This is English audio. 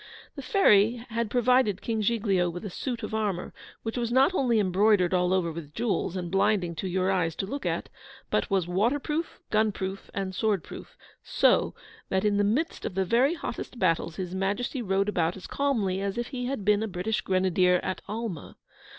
The Fairy had provided King Giglio with a suit of armour, which was not only embroidered all over with jewels, and blinding to your eyes to look at, but was water proof, gun proof, and sword proof; so that in the midst of the very hottest battles His Majesty rode about as calmly as if he had been a British Grenadier at Alma.